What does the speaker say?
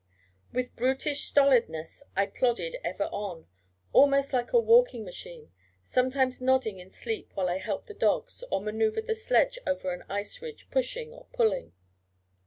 With brutish stolidness I plodded ever on, almost like a walking machine, sometimes nodding in sleep while I helped the dogs, or manouvred the sledge over an ice ridge, pushing or pulling.